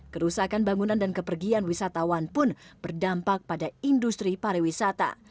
kerusakan bangunan dan kepergian wisatawan pun berdampak pada industri pariwisata